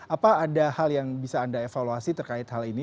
apa ada hal yang bisa anda evaluasi terkait hal ini